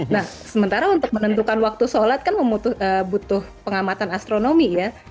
nah sementara untuk menentukan waktu sholat kan membutuhkan pengamatan astronomi ya